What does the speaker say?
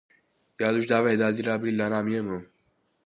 E a luz da verdade irá brilhar na minha mão